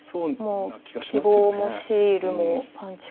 記号もシールもパンチ。